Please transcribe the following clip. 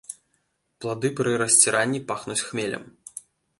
Плады пры расціранні пахнуць хмелем.